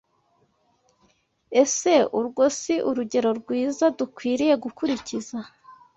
Ese urwo si urugero rwiza dukwiriye gukurikiza